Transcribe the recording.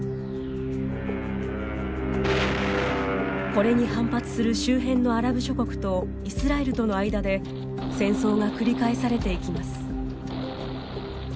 これに反発する周辺のアラブ諸国とイスラエルとの間で戦争が繰り返されていきます。